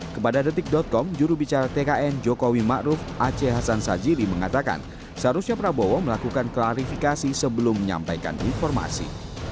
kepada detik com jurubicara tkn joko widodo ma'ruf aceh hasan sajiri mengatakan seharusnya prabowo melakukan klarifikasi sebelum menyampaikan informasi